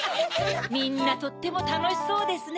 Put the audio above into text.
みんなとってもたのしそうですね